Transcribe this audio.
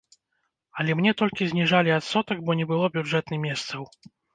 Але мне толькі зніжалі адсотак, бо не было бюджэтны месцаў.